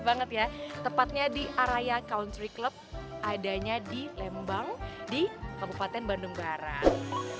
banget ya tepatnya di area country club adanya di lembang di kabupaten bandung barat